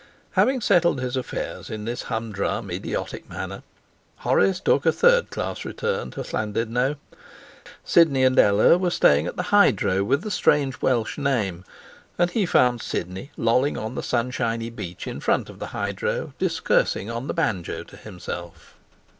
Having settled his affairs in this humdrum, idiotic manner, Horace took a third class return to Llandudno. Sidney and Ella were staying at the hydro with the strange Welsh name, and he found Sidney lolling on the sunshiny beach in front of the hydro discoursing on the banjo to himself.